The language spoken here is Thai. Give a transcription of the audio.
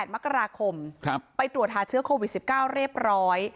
๘มกราคมไปตรวจหาเชื้อโควิด๑๙เรียบร้อย